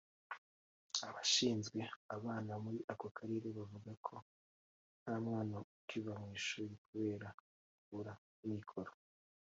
Abashinzwe abana muri ako karere bvuga ko ntamwana ukiva mw’ ishuli kubera kubura amikoro.